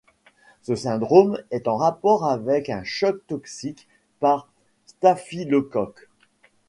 Ce syndrome est en rapport avec un choc toxique par staphylocoque.